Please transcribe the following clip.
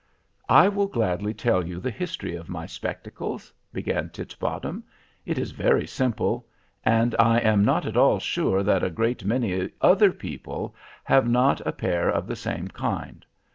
"I will gladly tell you the history of my spectacles," began Titbottom. "It is very simple; and I am not at all sure that a great many other people have not a pair of the same kind.